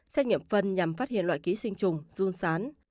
xét nghiệm phân nhằm phát hiện loại ký sinh trùng run sán